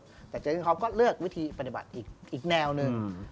เพราะฉะนั้นเขาก็เลือกวิธีปฏิบัติอีกแนวนึง